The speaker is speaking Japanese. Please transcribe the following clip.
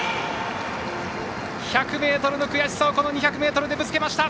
１００ｍの悔しさをこの２００ｍでぶつけました。